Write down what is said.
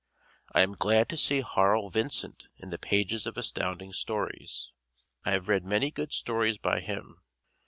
I am glad to see Harl Vincent in the pages of Astounding Stories. I have read many good stories by him.